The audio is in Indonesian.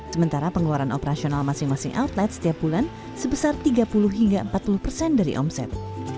sementara pengeluaran operasional masing masing outlet setiap bulan sebesar tiga puluh hingga empat puluh persen dari omset